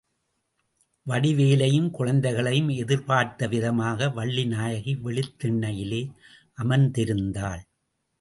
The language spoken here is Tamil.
வடிவேலையும் குழந்தைகளையும் எதிர் பார்த்த விதமாக வள்ளிநாயகி வெளித் திண்ணையிலே அமர்ந்திருந்தாள்.